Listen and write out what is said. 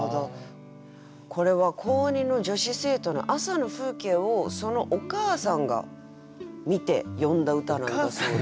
これは高２の女子生徒の朝の風景をそのお母さんが見て詠んだ歌なんだそうで。